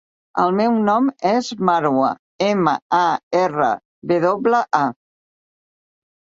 El meu nom és Marwa: ema, a, erra, ve doble, a.